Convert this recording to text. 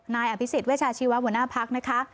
นายอภิษฎิ์เวชาชีวบุญนาภักรณ์นะคะ